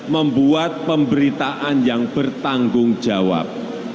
membuat pemberitaan yang bertanggung jawab